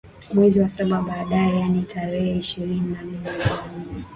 mwezi wa saba baadaye yaani tarehe ishirini na nne mwezi wa nane